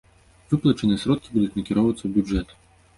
Выплачаныя сродкі будуць накіроўвацца ў бюджэт.